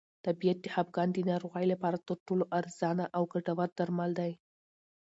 طبیعت د خپګان د ناروغۍ لپاره تر ټولو ارزانه او ګټور درمل دی.